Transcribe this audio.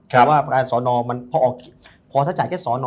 แต่ว่าสอนอมันพอถ้าจ่ายแค่สอนอ